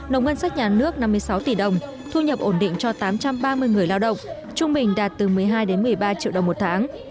nồng ngân sách nhà nước năm mươi sáu tỷ đồng thu nhập ổn định cho tám trăm ba mươi người lao động trung bình đạt từ một mươi hai đến một mươi ba triệu đồng một tháng